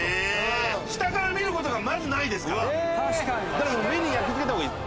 だから目に焼き付けた方がいい。